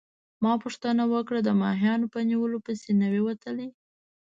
ما پوښتنه وکړه: د ماهیانو په نیولو پسي نه يې وتلی؟